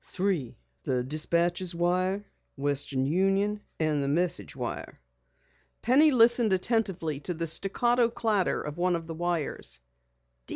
"Three. The Dispatcher's wire, Western Union and the Message wire." Penny listened attentively to the staccato chatter of one of the wires.